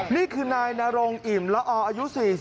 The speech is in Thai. นี่คือนายนรงอิ่มละออายุ๔๐